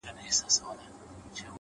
اوس يــې آهـونـــه په واوښتـل;